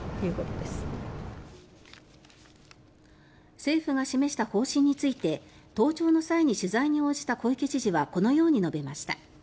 政府が示した方針について登庁の際に取材に応じた小池知事はこのように述べました。